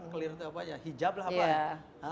clear itu apa ya hijab lah apa